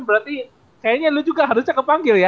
berarti kayaknya lu juga harus cakep panggil ya